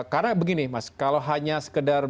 karena begini mas kalau hanya sekedar